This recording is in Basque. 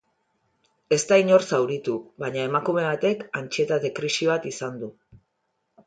Ez da inor zauritu, baina emakume batek antsietate-krisi bat izan du.